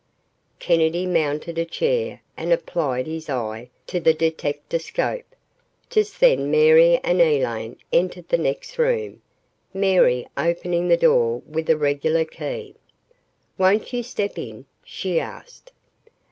Kennedy mounted a chair and applied his eye to the detectascope. Just then Mary and Elaine entered the next room, Mary opening the door with a regular key. "Won't you step in?" she asked.